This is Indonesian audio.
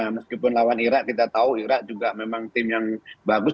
meskipun lawan irak kita tahu irak juga memang tim yang bagus